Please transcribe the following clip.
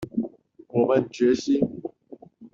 我們決心